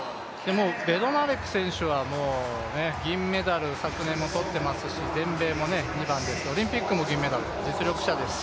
ベドナレク選手は銀メダル、昨年も取っていますし、全米も２番ですし、オリンピックも銀メダルと実力者です。